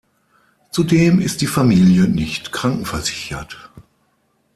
Zudem ist die Familie nicht krankenversichert.